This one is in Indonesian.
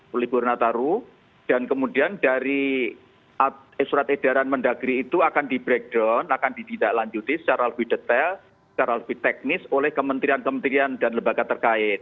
pelibur nataru dan kemudian dari surat edaran mendagri itu akan di breakdown akan ditindaklanjuti secara lebih detail secara lebih teknis oleh kementerian kementerian dan lembaga terkait